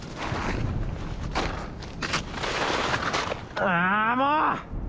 ああもう！